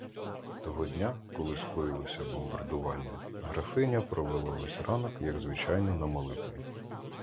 Того дня, коли скоїлося бомбардування, графиня провела весь ранок, як звичайно, на молитві.